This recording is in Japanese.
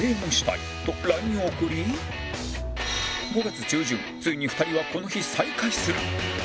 ５月中旬ついに２人はこの日再会する！